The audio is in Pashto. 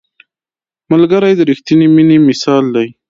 ملګری د رښتیني مینې مثال دی